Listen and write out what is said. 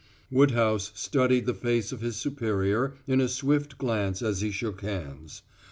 Woodhouse studied the face of his superior in a swift glance as he shook hands.